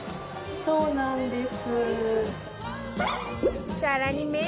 そうなんです。